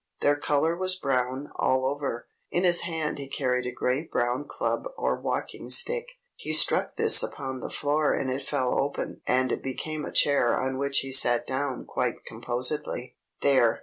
Their color was brown, all over. In his hand he carried a great brown club or walking stick. He struck this upon the floor and it fell open and became a chair on which he sat down quite composedly. "There!"